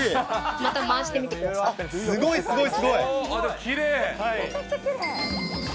また回してみてください。